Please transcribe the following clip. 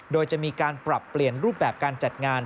โดยจะมีการปรับเปลี่ยนรูปแบบการจัดงาน